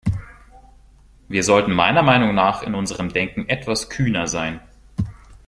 Wir sollten meiner Meinung nach in unserem Denken etwas kühner sein.